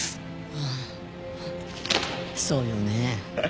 ああそうよね。